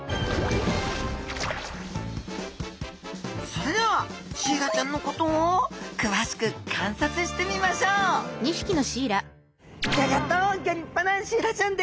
それではシイラちゃんのことを詳しく観察してみましょうギョ立派なシイラちゃんです。